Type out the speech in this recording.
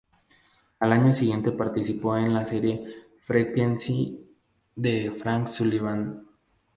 Al año siguiente participó en la serie "Frequency" de como Frank Sullivan.